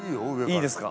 いいですか？